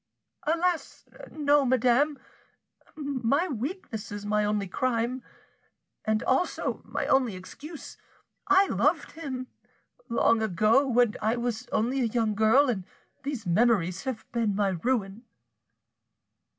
"Alas! no, madame; my weakness is my only crime, and also my only excuse. I loved him, long ago, when I was only a young girl, and these memories have been my ruin."